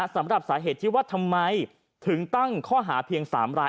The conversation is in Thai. สำหรับสาเหตุที่ว่าทำไมถึงตั้งข้อหาเพียง๓ราย